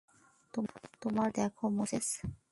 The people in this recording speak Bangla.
তোমার জাতিকে দেখো, মোসেস।